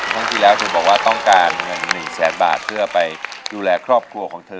ครั้งที่แล้วเธอบอกว่าต้องการเงิน๑แสนบาทเพื่อไปดูแลครอบครัวของเธอ